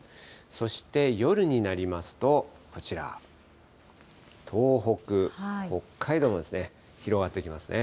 そして夜になりますと、こちら、東北、北海道も広がっていきますね。